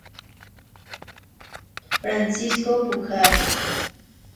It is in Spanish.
Francisco Pujals.